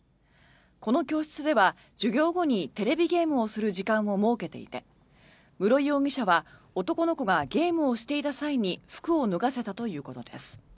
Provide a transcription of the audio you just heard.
この教室では授業後にテレビゲームをする時間を設けていて室井容疑者は男の子がゲームをしていた際に服を脱がせたということです。